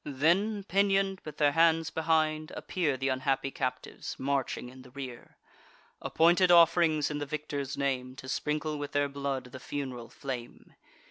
Then, pinion'd with their hands behind, appear Th' unhappy captives, marching in the rear, Appointed off'rings in the victor's name, To sprinkle with their blood the fun'ral flame.